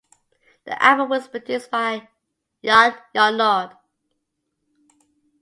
The album was produced by Yann Arnaud.